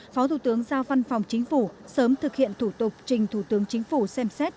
phó thủ tướng giao văn phòng chính phủ sớm thực hiện thủ tục trình thủ tướng chính phủ xem xét